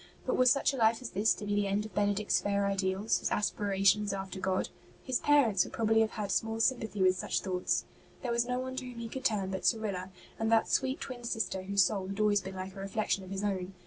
But was such a life as this to be the end of Benedict's fair ideals, his aspirations after God ? His parents would probably have had small sympathy with such thoughts. There was no one to whom he could turn but Cyrilla, and that sweet twin sister whose soul had always been like a reflection of his own.